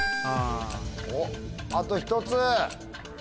おっあと１つ！